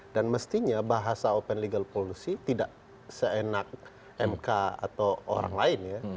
dan mestinya bahasa open legal policy tidak seenak mk atau orang lain ya